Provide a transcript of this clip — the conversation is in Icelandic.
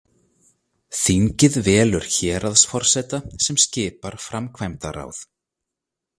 Þingið velur héraðsforseta sem skipar framkvæmdaráð.